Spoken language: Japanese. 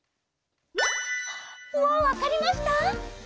もうわかりました？